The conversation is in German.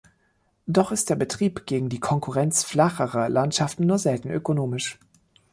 Doch ist der Betrieb gegen die Konkurrenz flacherer Landschaften nur selten ökonomisch.